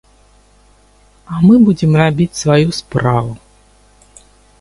А мы будзем рабіць сваю справу.